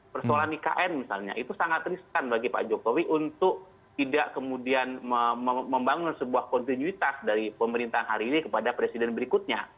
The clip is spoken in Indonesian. persoalan ikn misalnya itu sangat riskan bagi pak jokowi untuk tidak kemudian membangun sebuah kontinuitas dari pemerintahan hari ini kepada presiden berikutnya